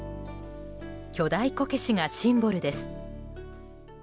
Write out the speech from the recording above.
巨大こけしがシンボルです。